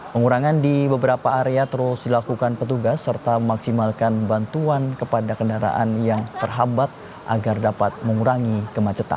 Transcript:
pengurangan di beberapa area terus dilakukan petugas serta memaksimalkan bantuan kepada kendaraan yang terhambat agar dapat mengurangi kemacetan